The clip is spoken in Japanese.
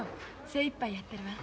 精いっぱいやってるわ。